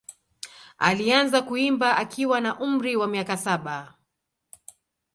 Alianza kuimba akiwa na umri wa miaka saba.